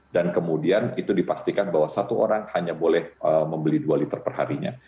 dan kemudian itu dipastikan bahwa satu orang hanya boleh membeli dua liter perharinya